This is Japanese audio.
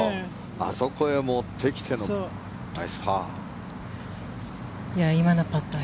あそこへ持ってきてのナイスパー。